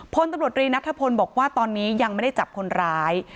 พลตำรวจรีนัทธพลบอกว่าตอนนี้ยังไม่ได้จับคนร้าย